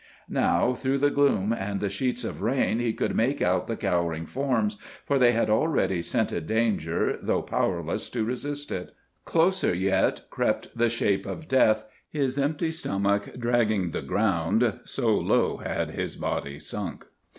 Now, through the gloom and the sheets of rain he could make out the cowering forms—for they had already scented danger, though powerless to resist it. Closer yet crept the shape of death, his empty stomach dragging the ground so low had his body sunk.